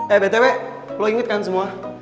eh btp lo inget kan semua